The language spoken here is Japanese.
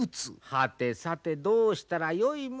はてさてどうしたらよいものやら。